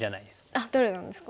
あっ誰なんですか？